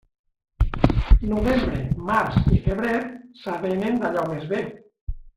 Novembre, març i febrer s'avenen d'allò més bé.